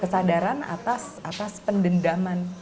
kesadaran atas atas pendendaman